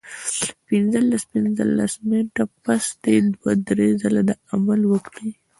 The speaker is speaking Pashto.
پنځلس پنځلس منټه پس دې دوه درې ځله دا عمل وکړي